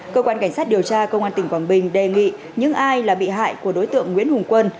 cơ quan cảnh sát điều tra công an tỉnh quảng bình đề nghị những ai là bị hại của đối tượng nguyễn hùng quân